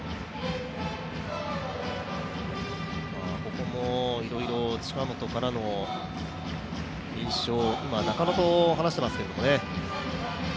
ここもいろいろ近本からの印象中野と話していますけどね。